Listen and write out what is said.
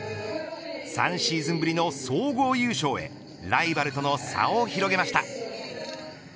３シーズンぶりの総合優勝へライバルとの差を広げました。